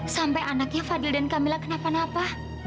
sampai anaknya fadil dan camilla kenapa napa